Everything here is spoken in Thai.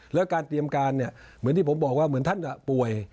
แล้วการเตรียมการเนี่ยเหมือนที่ผมบอกว่าเหมือนท่านป่วย